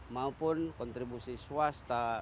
maupun kontribusi swasta